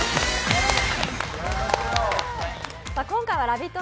今回は「ラヴィット！」